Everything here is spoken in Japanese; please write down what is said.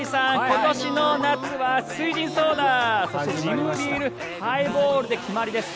今年の夏は翠ジンソーダそして、ジムビームハイボールで決まりです。